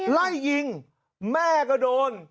ไล่ยิงแม่ก็โดน